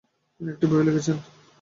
তিনি একটি বইও লিখেছিলেন।